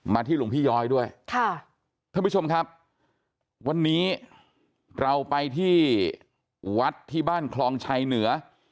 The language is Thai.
ที่หลวงพี่ย้อยด้วยค่ะท่านผู้ชมครับวันนี้เราไปที่วัดที่บ้านคลองชัยเหนือ